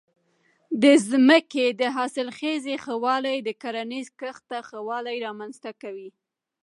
د ځمکې د حاصلخېزۍ ښه والی د کرنیزې کښت ښه والی رامنځته کوي.